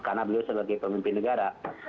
karena beliau sebagai pemimpin negara